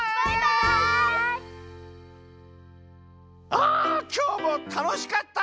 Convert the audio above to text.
あきょうもたのしかった！